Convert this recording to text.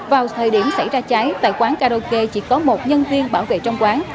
vào thời điểm xảy ra cháy tại quán karaoke chỉ có một nhân viên bảo vệ trong quán